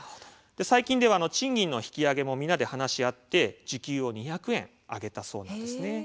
最近では賃金の引き上げもみんなで話し合って時給を２００円上げたそうなんです。